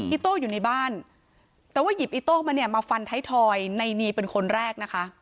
อิโต้อยู่ในบ้านแต่ว่าหยิบอิโต้มาเนี่ยมาฟันท้ายทอยในนีเป็นคนแรกนะคะ